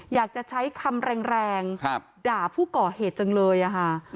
อยากจะใช้คำแรงด่าผู้ก่อเหตุจังเลยค่ะ